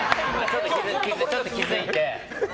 ちょっと気づいて。